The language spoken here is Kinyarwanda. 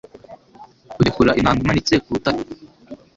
kurekura inanga imanitse ku rutare